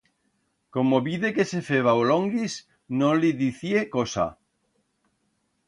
Como vide que se feba o longuis, no le dicié cosa.